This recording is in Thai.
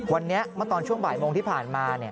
วันนี้เมื่อตอนช่วงบ่ายโมงที่ผ่านมา